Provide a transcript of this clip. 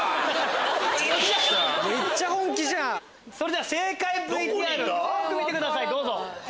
それでは正解ＶＴＲをよく見てくださいどうぞ。